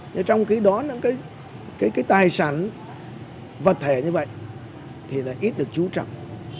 nhưng trong cái đó cái tài sản vật thể như vậy thì ít được chú trọng